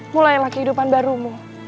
mulailah kehidupan barumu